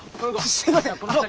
すいません。